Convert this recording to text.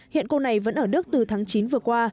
hiện cô này vẫn ở đức từ tháng chín vừa qua